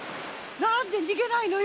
なんでにげないのよ！